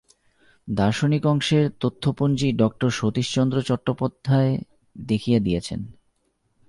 দার্শনিক অংশের তথ্যপঞ্জী ডক্টর সতীশচন্দ্র চট্টোপাধ্যায় দেখিয়া দিয়াছেন।